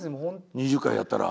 ２０回やったら。